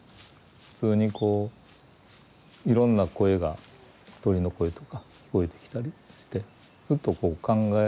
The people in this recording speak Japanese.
普通にこういろんな声が鳥の声とか聞こえてきたりしてふっとこう考え